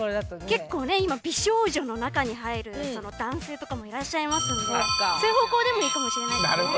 結構ね今美少女の中に入る男性とかもいらっしゃいますんでそういう方向でもいいかもしれないですね。